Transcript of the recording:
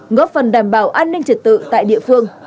ngóp phần đảm bảo an ninh trật tự tại địa phương